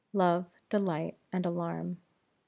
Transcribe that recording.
LOVE, DELIGHT, AND ALARM. I.